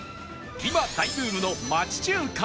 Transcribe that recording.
今大ブームの町中華